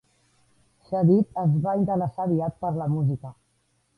Chedid es va interessar aviat per la música.